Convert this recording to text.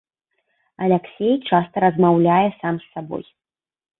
Аляксей часта размаўляе сам з сабой.